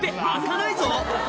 開かないぞ！」